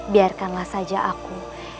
biarkanlah saja aku